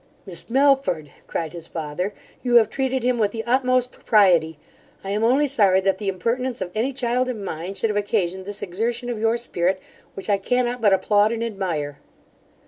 'Miss Melford (cried his father), you have treated him with the utmost propriety I am only sorry that the impertinence of any child of mine should have occasioned this exertion of your spirit, which I cannot but applaud and admire.